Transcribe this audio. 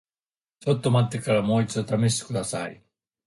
ちょっと待ってからもう一度試してください。